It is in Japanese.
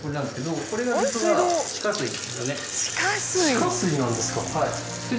地下水なんですか！